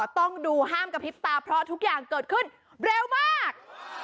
ต้องดูห้ามกระพริบตาเพราะทุกอย่างเกิดขึ้นเร็วมาก